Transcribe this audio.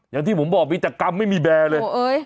อย่างที่ผมบอกมีแต่กรรมไม่มีแบร์เลย